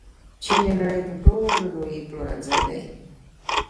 چین د نړۍ تر ټولو لوی پلورنځی دی.